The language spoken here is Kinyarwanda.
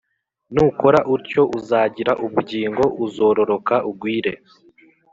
nukora utyo uzagira ubugingo, uzororoka ugwire